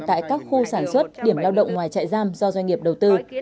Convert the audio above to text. tại các khu sản xuất điểm lao động ngoài chạy giam do doanh nghiệp đầu tư